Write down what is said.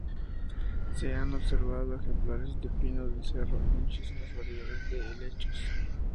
Se han observado ejemplares de pino del cerro y muchísimas variedades de helechos.